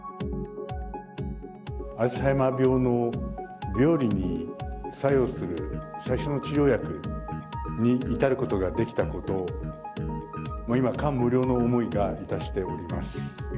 アルツハイマー病の病理に作用する最初の治療薬に至ることができたことを、今、感無量の思いがいたしております。